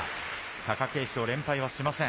貴景勝、連敗をしません。